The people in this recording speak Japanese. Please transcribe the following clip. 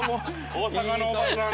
大阪のおばちゃん。